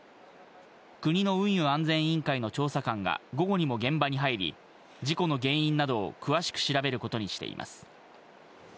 国の運輸安全委員会の調査官が午後にも現場に入り、事故の原因などを詳しく調べることにしています。